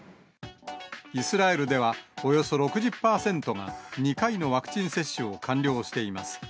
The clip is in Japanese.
イスラエルでは、およそ６０％が２回のワクチン接種を完了しています。